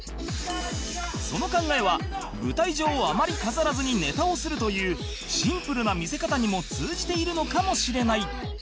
その考えは舞台上をあまり飾らずにネタをするというシンプルな見せ方にも通じているのかもしれない